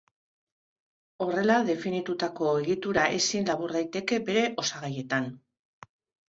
Horrela definitutako egitura ezin labur daiteke bere osagaietan.